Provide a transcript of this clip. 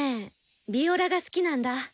ヴィオラが好きなんだ！